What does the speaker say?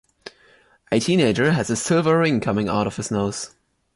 A teenager has a silver ring coming out of his nose.